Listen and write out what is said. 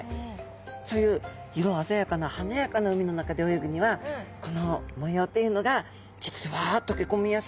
そういう色鮮やかな華やかな海の中で泳ぐにはこの模様というのが実は溶け込みやすい。